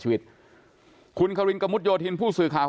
จนกระทั่งหลานชายที่ชื่อสิทธิชัยมั่นคงอายุ๒๙เนี่ยรู้ว่าแม่กลับบ้าน